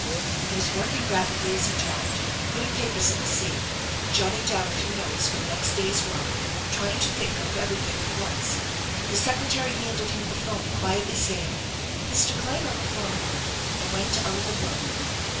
He was working rapidly as he talked; putting papers in the safe, jotting down a few notes for the next day's work, trying to think of everything at once. The secretary handed him the phone, quietly saying, " Mr. Clegg on the phone," and went out of the room.